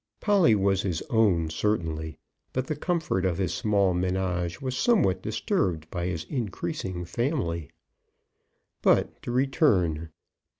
Polly was his own certainly; but the comfort of his small menage was somewhat disturbed by his increasing family. But to return.